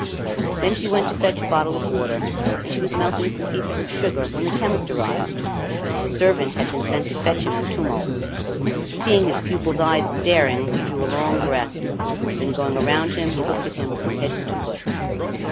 Then she went to fetch a bottle of water, and she was melting some pieces of sugar when the chemist arrived. The servant had been to fetch him in the tumult. Seeing his pupil's eyes staring he drew a long breath; then going around him he looked at him from head to foot.